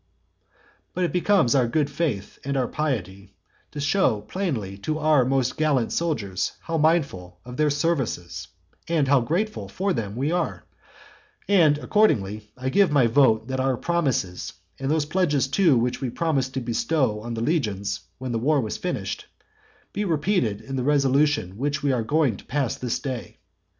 But it becomes our good faith and our piety to show plainly to our most gallant soldiers how mindful of their services and how grateful for them we are; and accordingly I give my vote that our promises, and those pledges too which we promised to bestow on the legions when the war was finished, be repeated in the resolution which we are going to pass this day.